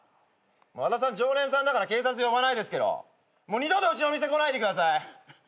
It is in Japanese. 和田さん常連さんだから警察呼ばないですけどもう二度とうちの店来ないでください。